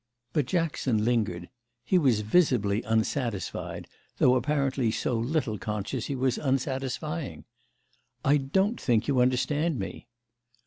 But Jackson lingered; he was visibly unsatisfied, though apparently so little conscious he was unsatisfying. "I don't think you understand me."